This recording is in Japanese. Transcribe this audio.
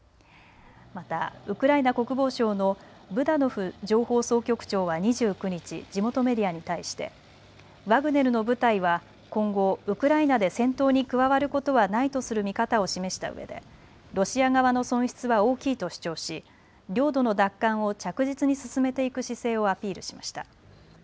またウクライナ国防省のブダノフ情報総局長は２９日、地元メディアに対してワグネルの部隊は今後ウクライナで戦闘に加わることはないとする見方を示したうえでロシア側の損失は大きいと主張し領土の奪還を着実に進めていく姿勢をアピールしました。